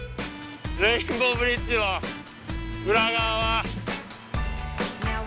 レインボーブリッジの裏側は。